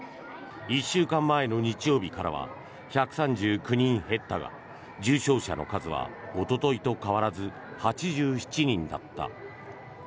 １週間前の日曜日からは１３９人減ったが重症者の数はおとといと変わらず８７人だった。